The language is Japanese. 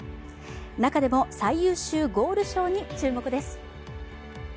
中でも最優秀ゴール賞に注目です。